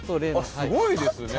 すごいですね。